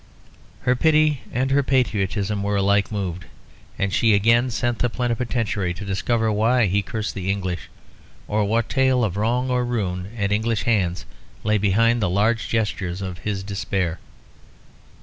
Her pity and patriotism were alike moved; and she again sent the plenipotentiary to discover why he cursed the English, or what tale of wrong or ruin at English hands lay behind the large gestures of his despair.